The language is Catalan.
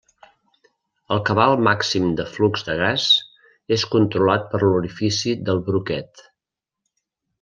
El cabal màxim de flux de gas és controlat per l'orifici del broquet.